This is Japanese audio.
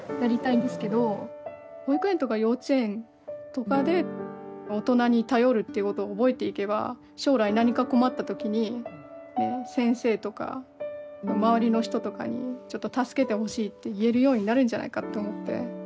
保育園とか幼稚園とかで大人に頼るっていうことを覚えていけば将来何か困った時にね先生とか周りの人とかにちょっと助けてほしいって言えるようになるんじゃないかって思って。